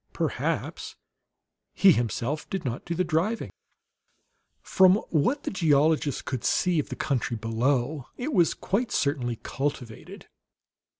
Perhaps he himself did not do the driving. From what the geologist could see of the country below, it was quite certainly cultivated.